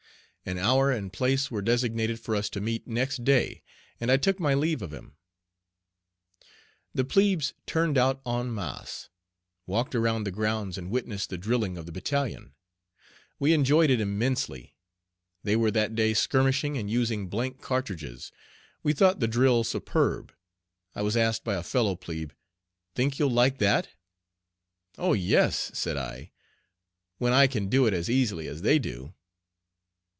An hour and place were designated for us to meet next day, and I took my leave of him. The "plebes" turned out en masse, walked around the grounds and witnessed the drilling of the battalion. We enjoyed it immensely. They were that day skirmishing and using blank cartridges. We thought the drill superb. I was asked by a fellow "plebe," "Think you'll like that?" "Oh yes," said I, "when I can do it as easily as they do."